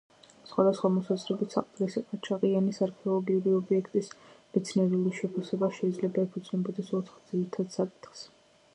სხვადასხვა მოსაზრებით, საყდრისი-ყაჩაღიანის არქეოლოგიური ობიექტის მეცნიერული შეფასება შეიძლება ეფუძნებოდეს ოთხ ძირითადი საკითხს.